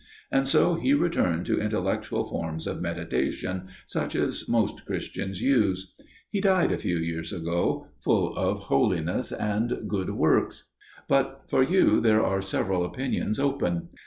And so he returned to intellectual forms of meditation, such as most Christians use. He died a few years ago, full of holiness and good works. "But for you there are several opinions open.